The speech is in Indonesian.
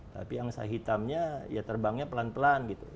tapi angsa hitamnya ya terbangnya pelan pelan gitu